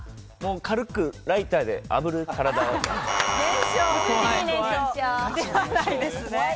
軽くライターでではないですね。